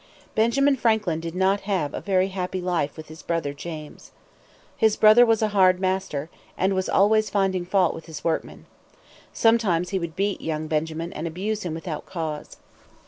Benjamin Franklin did not have a very happy life with his brother James. His brother was a hard master, and was always finding fault with his workmen. Sometimes he would beat young Benjamin and abuse him without cause.